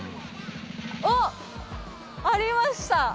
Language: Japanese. あっありました！